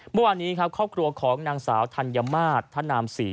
เมื่อวานนี้ครับครอบครัวของนางสาวธัญมาตรธนามศรี